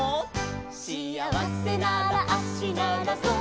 「しあわせなら足ならそう」